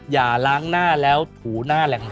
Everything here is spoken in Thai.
อย่าล้างหน้าแล้วถูหน้าแหล่ง